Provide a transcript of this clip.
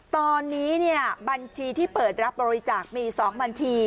ตอนนี้บัญชีที่เปิดรับบริจาคมี๒บัญชี